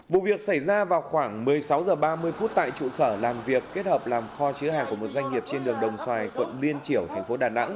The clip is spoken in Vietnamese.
vụ việc xảy ra vào khoảng một mươi sáu h ba mươi phút tại trụ sở làm việc kết hợp làm kho chứa hàng của một tàu